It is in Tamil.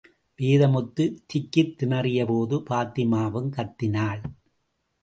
வேதமுத்து திக்கித் திணறியபோது, பாத்திமாவும் கத்தினாள்.